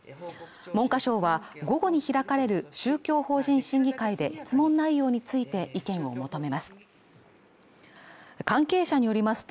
文科省は午後に開かれる宗教法人審議会で質問内容について意見を求めます